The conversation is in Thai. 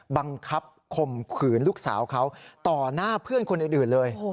บังคับข่มขืนลูกสาวเขาต่อหน้าเพื่อนคนอื่นเลย